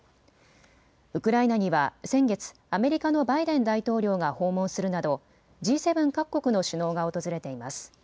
ウクライナには先月、アメリカのバイデン大統領が訪問するなどＧ７各国の首脳が訪れています。